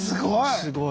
すごい。